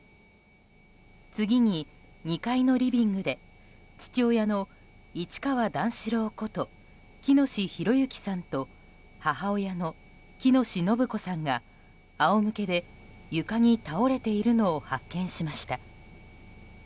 次に、２階のリビングで父親の市川段四郎こと喜熨斗弘之さんと母親の喜熨斗延子さんが仰向けで床に倒れているのを発見しました。